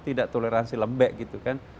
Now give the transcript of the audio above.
tidak toleransi lembek gitu kan